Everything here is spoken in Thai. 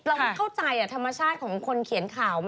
เราเข้าใจธรรมชาติของคนเขียนข่าว